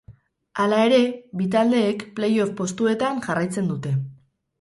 Hala ere, bi taldeek playoff postuetan jarraitzen dute.